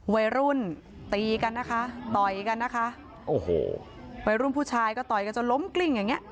วัยรุ่นตีกันนะคะต่อยกันนะคะโอ้โหวัยรุ่นผู้ชายก็ต่อยกันจนล้มกลิ้งอย่างเงี้